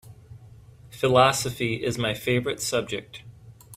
Philosophy is my favorite subject.